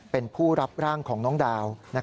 เป็นผู้รับร่างของน้องดาว